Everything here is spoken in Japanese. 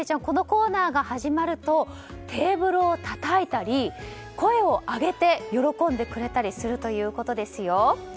このコーナーが始まるとテーブルをたたいたり声を上げて喜んでくれたりするということですよ。